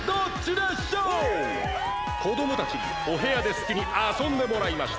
こどもたちにお部屋ですきにあそんでもらいました。